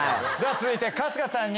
続いて春日さんに。